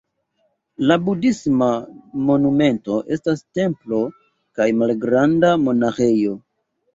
La Budhisma monumento estas templo kaj malgranda monaĥejo.